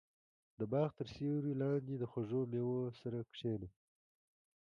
• د باغ تر سیوري لاندې د خوږو مېوو سره کښېنه.